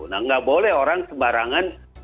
nah nggak boleh orang sembarangan